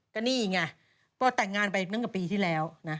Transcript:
ก็นี่ไงเพราะว่าแต่งงานไปนั่งกับปีที่แล้วนะ